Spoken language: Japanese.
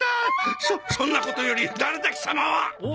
そそんなことより誰だ貴様は！おっ？